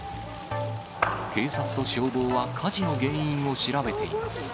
警察と消防は火事の原因を調べています。